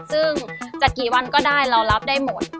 ซึ่งจะกี่วันก็ได้เรารับได้หมด